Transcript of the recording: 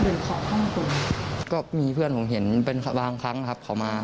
ตัวเนี้ยครับก็มีเพื่อนผมเห็นเป็นค่ะบางครั้งครับขอมา